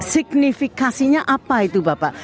signifikasinya apa itu bapak